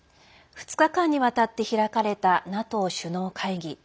２日間にわたって開かれたＮＡＴＯ首脳会議。